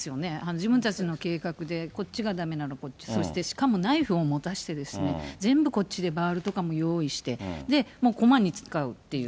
自分たちの計画で、こっちがだめならこっち、そして、しかもナイフを持たせてですね、全部こっちでバールとかも用意して、もう駒に使うっていう。